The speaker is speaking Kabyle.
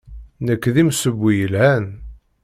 Nekk d imsewwi yelhan.